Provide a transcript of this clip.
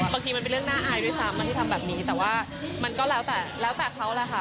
บางทีมันเป็นเรื่องน่าอายด้วยซ้ำที่ทำแบบนี้แต่ว่ามันก็แล้วแต่เขาแหละค่ะ